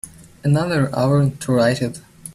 Another hour to write it.